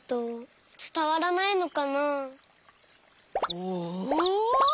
おお！